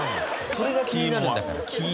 それが気になるんだから。